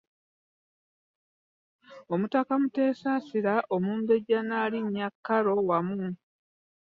Omutaka Muteesasira, Omumbejja Nnaalinnya Carol wamu.